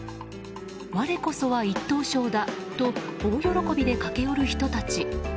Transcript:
我こそは１等賞だと大喜びで駆け寄る人たち。